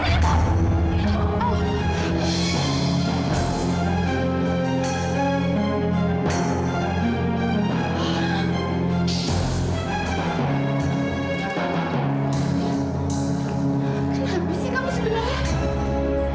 kenapa sih kamu sebenarnya